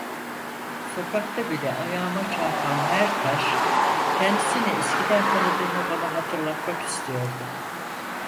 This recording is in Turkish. Sokakta bile ayağıma çarpan her taş kendisini eskiden tanıdığımı bana hatırlatmak istiyordu.